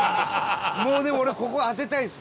もう、でも俺はここ当てたいです。